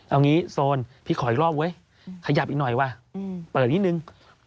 เอางี้โซนพี่ขออีกรอบเว้ยขยับอีกหน่อยว่ะเปิดนิดนึง